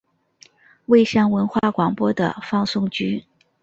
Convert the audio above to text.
蔚山文化广播的放送局。